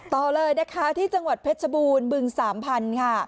ต่อเลยนะคะที่จังหวัดเพชรบูรบึงสามพันธุ์ค่ะ